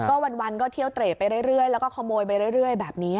ก็วันก็เที่ยวเตรดไปเรื่อยแล้วก็ขโมยไปเรื่อยแบบนี้